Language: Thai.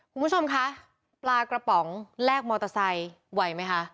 คุณผู้ชมคะปลากระป๋องแลกมอเตอร์ไซค์ไหวไหมคะ